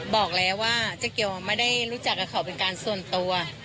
บอกแล้วว่าเจ๊เกียวไม่ได้รู้จักกับเขาเป็นการส่วนตัว